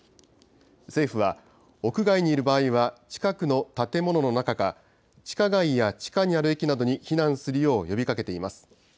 政府は、屋外にいる場合は、近くの建物の中か、地下街や地下にある駅などに避難するよう呼びかけています。